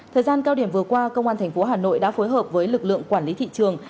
thời gian cao điểm vừa qua công an tp hà nội đã phối hợp với lực lượng quản lý thị trường